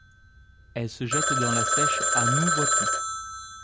Elle se jette dans la Seiche à Nouvoitou.